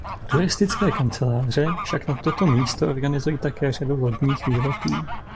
Turistické kanceláře však na toto místo organizují také řadu lodních výletů.